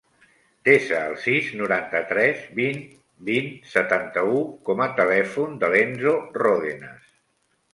Desa el sis, noranta-tres, vint, vint, setanta-u com a telèfon de l'Enzo Rodenas.